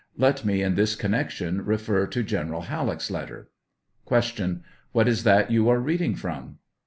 Let me in this connection refer to Gen eral Halleck's letter. Q. What is that you are reading from